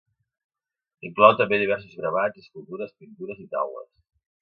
Inclou també diversos gravats, escultures, pintures i taules.